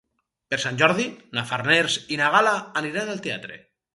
Per Sant Jordi na Farners i na Gal·la aniran al teatre.